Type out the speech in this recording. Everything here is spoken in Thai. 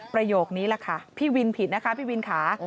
ประโยคนี้แหละค่ะพี่วินผิดนะคะพี่วินค่ะ